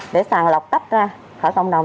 để sàng lọc tắt ra khỏi cộng đồng